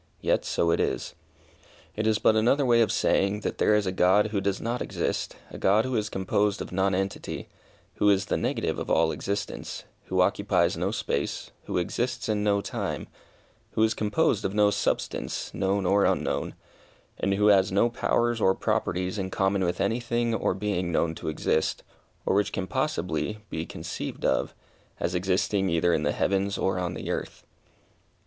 Yet, so it is. It is but another way of saying, that there is a God who does not exist, a God who is composed of nonentity, who is the negative of all existence, who occupies no space, who exists in no time, who is composed of no substance, known or unknown, and who has no powers or properties in common with any thing or being known to exist, or which can possibly be conceived of, as existing either in the heavens or on the earth.